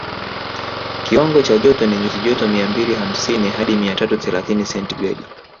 Kiwango cha joto ni nyuzi joto mia mbili hamsini hadi mia tatu thelathini sentigredi